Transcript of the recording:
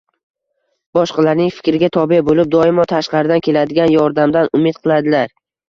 boshqalarning fikriga tobe bo‘lib, doimo tashqaridan keladigan yordamdan umid qiladilar.